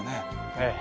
ええ。